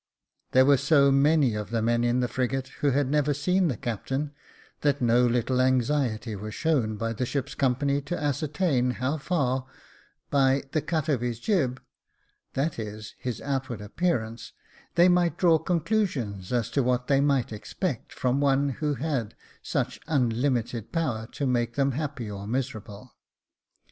There were so many of the men in the frigate who had never seen the captain, that no little anxiety was shown by the ship's company to ascertain how far, by the " cut of his jib,''^ that is, his outward appearance, they might draw conclusions as to what they might expect from one who had such unlimited power to make them happy or miserable.